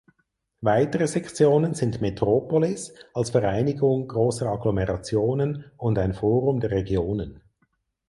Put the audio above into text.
Weitere Sektionen sind Metropolis als Vereinigung großer Agglomerationen und ein Forum der Regionen.